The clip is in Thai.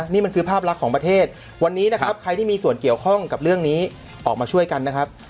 นี่มันคือภาพลักษณ์ของประเทศวันนี้นะครับใครที่มีส่วนเกี่ยวข้องกับเรื่องนี้ออกมาช่วยกันนะครับ